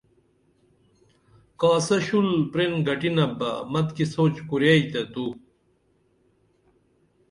کاسہ شُل پرین گٹینپ بہ متِکی سوچ کُرئی تیہ تو